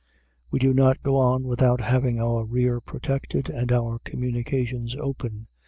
We do not go on without having our rear protected and our communications open.